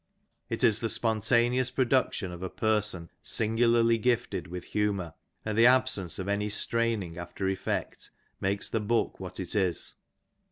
It is the spontaneous production of a person singularly gifted with humour, and the absence of any straining after effect makes the book what it is.